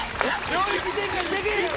領域展開できへんやろ！